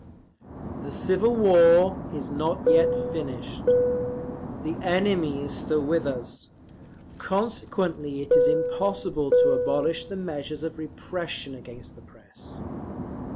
"The civil war is not yet finished; the enemy is still with us; consequently it is impossible to abolish the measures of repression against the Press.